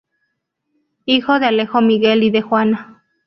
Hijo de Alejo Miguel y de Juana.